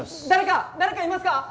誰か誰かいますか？